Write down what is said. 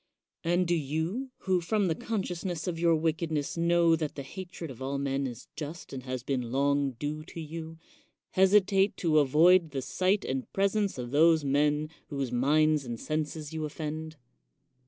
And do you, who, from the consciousness of your wickedness, know that the hatred of all men is just and has been long due to you, hesitate to avoid the sight and presence of those men whose minds and senses you oifend?